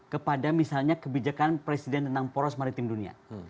kepada misalnya kebijakan presiden tentang poros maritim dunia